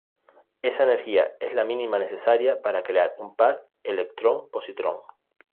Esa energía es la mínima necesaria para crear un par electrón-positrón.